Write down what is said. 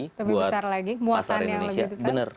lebih besar lagi muatan yang lebih besar